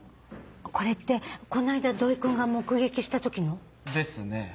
これってこの間土井君が目撃した時の？ですね。